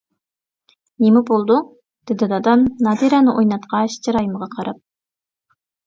-نېمە بولدۇڭ؟ دېدى دادام نادىرەنى ئويناتقاچ چىرايىمغا قاراپ.